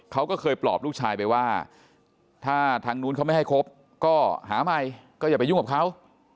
เขาก็เคยปลอบลูกชายไปว่าถ้าทางนู้นเขาไม่ให้คบก็หาใหม่ก็อย่าไปยุ่งกับเขา